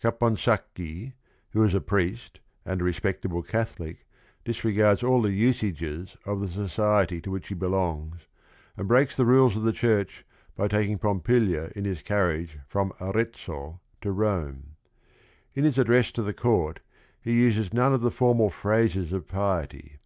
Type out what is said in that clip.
Caponsacchi, who is a priest and a respectable Catholic, disregards all the usages of the society to which he belongs, and breaks the rules of the church by taking Pom pilia in his carriage from Arezzo to Rome. In his address to the court he uses none of the formal phrases of piety.